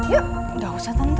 ya gak usah tante